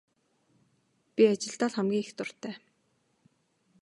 Би ажилдаа л хамгийн их дуртай.